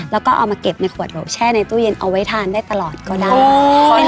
แล้วก็เอามาเก็บในขวดโหลแช่ในตู้เย็นเอาไว้ทานได้ตลอดก็ได้